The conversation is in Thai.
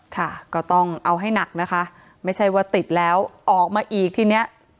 ค่ะก็ต้องเอาให้หนักนะคะไม่ใช่ว่าติดแล้วออกมาอีกทีเนี้ย